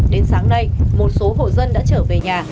đến sáng nay một số hộ dân đã trở về nhà